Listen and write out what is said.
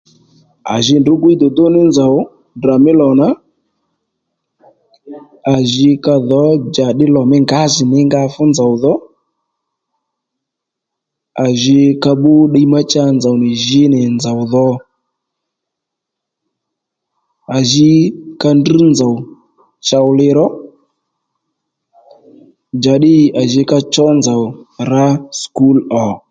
À ji ndrǔ gwiy dùdú ní nzòw Ddrà mí lò nà a ji ka dhǒ njàddí lò mí ngǎjìní nga fú nzòw dhò a ji ka bbú ddiy má cha nzòw nì jǐ nì nzòw dho a ji ka ndrŕ nzòw chow li ró njǎddǐ à jì ka cho nzòw rǎ sùkúl ò